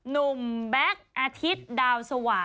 นุ่มแบ๊กอาทิตย์ดาวสวรรค์